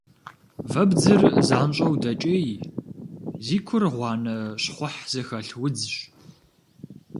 Вэбдзыр занщӏэу дэкӏей, зи кур гъуанэ, щхъухь зыхэлъ удзщ.